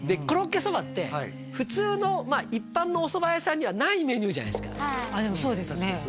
コロッケそばって普通の一般のおそば屋さんにはないメニューじゃないですかでもそうですね